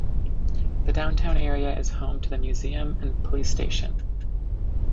The downtown area is home to the museum and police station.